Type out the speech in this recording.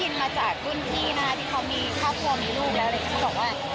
เขาบอกว่าถ้าจะเลือกซื้อบ้านอ่ะเลือกให้มันอยู่ใกล้โรงเรียนลูก